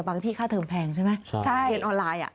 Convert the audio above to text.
ไม่ได้เรียนกันนานมากยังไงค่ะ